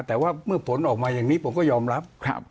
แต่ว่าเมื่อผลออกมาอย่างนี้ผมก็ยอมรับ